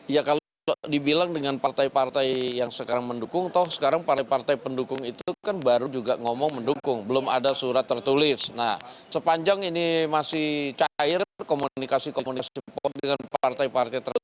ya kalau dibilang dengan partai partai yang sekarang mendukung toh sekarang partai partai pendukung itu kan baru juga ngomong mendukung belum ada surat tertulis nah sepanjang ini masih cair komunikasi komunikasi politik dengan partai partai tertentu